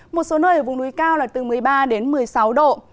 một số nơi ở vùng núi cao là từ một mươi ba đến một mươi sáu độ